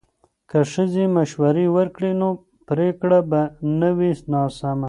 که ښځې مشورې ورکړي نو پریکړه به نه وي ناسمه.